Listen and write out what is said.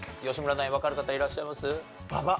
ナインわかる方いらっしゃいます？